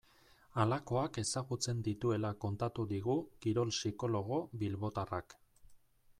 Halakoak ezagutzen dituela kontatu digu kirol psikologo bilbotarrak.